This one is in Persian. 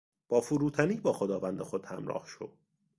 با فروتنی باخداوند خود همراه شو.